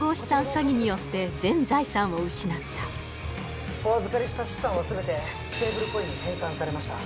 詐欺によって全財産を失ったお預かりした資産は全てステーブルコインに変換されました